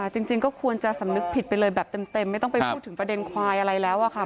จริงก็ควรจะสำนึกผิดไปเลยแบบเต็มไม่ต้องไปพูดถึงประเด็นควายอะไรแล้วอะค่ะ